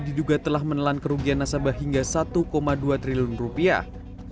diduga telah menelan kerugian nasabah hingga satu dua triliun rupiah